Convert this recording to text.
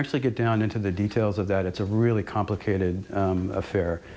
ก็จะเป็นการที่จับตาสถานการณ์กลัว